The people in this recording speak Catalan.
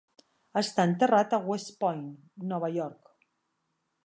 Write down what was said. Està enterrat a West Point, Nova York.